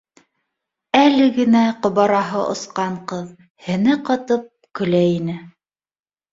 Әле генә ҡобараһы осҡан ҡыҙ һене ҡатып көлә ине